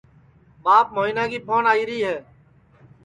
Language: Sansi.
ٻاپ موہینا کی پھون آئیرا ہے